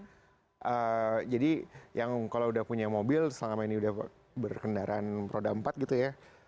nah jadi yang kalau udah punya mobil selama ini udah berkendaraan roda empat gitu ya